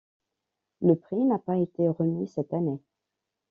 Le prix n'a pas été remis cette année.